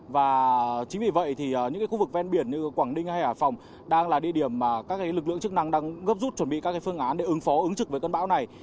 và chính vì vậy thì những khu vực ven biển như quảng ninh hay hải phòng đang là địa điểm mà các lực lượng chức năng đang gấp rút chuẩn bị các phương án để ứng phó ứng trực với cơn bão này